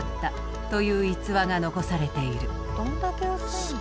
どんだけ薄いんだ？